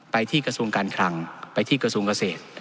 ไปที่กระทรวงการคลังไปที่กระทรวงเกษตร